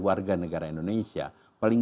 warga negara indonesia paling